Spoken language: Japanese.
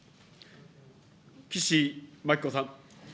岸真紀子さん。